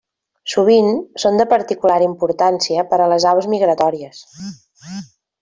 Sovint, són de particular importància per a les aus migratòries.